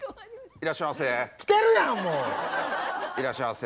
いらっしゃいませ。